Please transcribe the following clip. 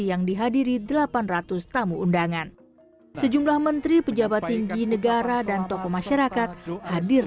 yang dihadiri delapan ratus tamu undangan sejumlah menteri pejabat tinggi negara dan tokoh masyarakat hadir